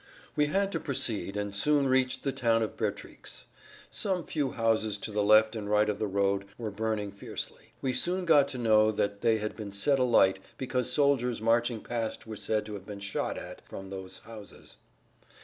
We had to proceed, and soon reached the town of Bertrix. Some few houses to the left and right of the road were burning fiercely; we soon got to know that they had been set alight because soldiers marching past were said to have been shot at from those houses.